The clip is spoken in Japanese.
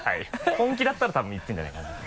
本気だったら多分いってるんじゃないかなと。